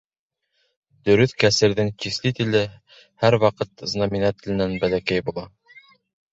Дөрөҫ кәсерҙең числителе һәр ваҡыт знаменателенән бәләкәй була